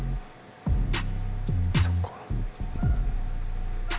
そっか。